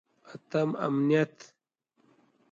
اتم: امنیت.